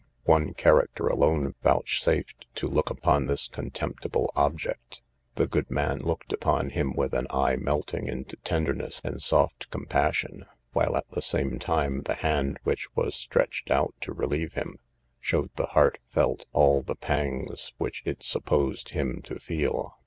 One character alone vouchsafed to look upon this contemptible object; the good man looked upon him with an eye melting into tenderness and soft compassion, while at the same time the hand which was stretched out to relieve him, showed the heart felt all the pangs which it supposed him to feel.